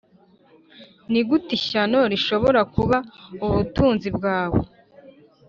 nigute ishyano rishobora kuba ubutunzi bwawe